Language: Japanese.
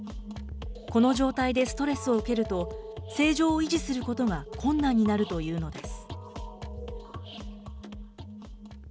この状態でストレスを受けると、正常を維持することが困難になるというのです。